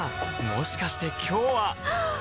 もしかして今日ははっ！